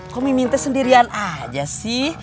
kok mimin teh sendirian aja sih